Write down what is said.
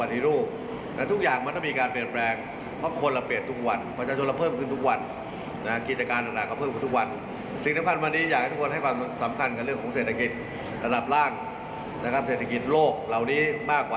แต่ยังไม่ไปไหนไม่ต้องกลัว